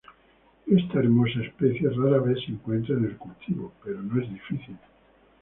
Esta hermosa especie, rara vez se encuentran en el cultivo pero no es difícil.